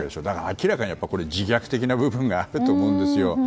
明らかに自虐的な部分があると思うんですよ。